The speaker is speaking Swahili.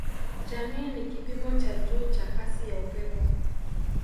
Jamii ni kipimo cha juu cha kasi ya upepo